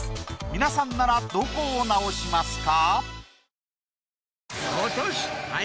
皆さんならどこを直しますか？